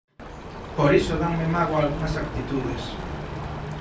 Por iso danme mágoa algunhas actitudes.